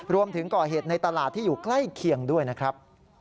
รวมถึงก่อเหตุในตลาดที่อยู่ใกล้เคียงด้วยนะครับ